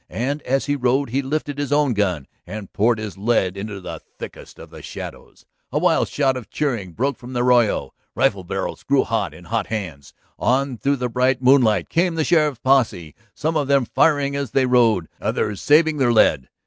And as he rode he lifted his own gun and poured his lead into the thickest of the shadows. A wild shout of cheering broke from the arroyo; rifle barrels grew hot in hot hands. On through the bright moonlight came the sheriff's posse, some of them firing as they rode, others saving their lead.